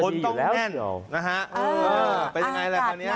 มันจะดีอยู่แล้วคนต้องแน่นนะฮะ